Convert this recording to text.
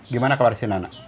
gimana kelarisin anak